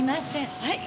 はい。